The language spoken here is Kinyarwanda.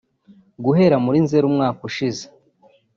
Guhera muri Nzeri umwaka ushize